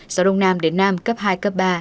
gió đông nam đến nam cấp hai cấp ba